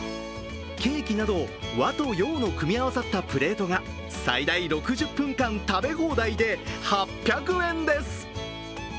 ケーキなど和と洋の組み合わさったプレートが最大６０分間、食べ放題で８００円です。